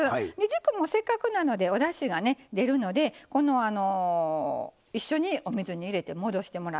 軸もせっかくなのでおだしがね出るので一緒にお水に入れて戻してもらっていいです。